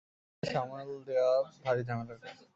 বাচ্চাদের সামাল দেয়া ভারি ঝামেলার কাজ।